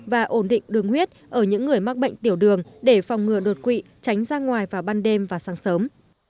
và ổn định đường huyết ở những người mắc bệnh tiểu đường để phòng ngừa đột quỵ tránh ra ngoài vào ban đêm và sáng sớm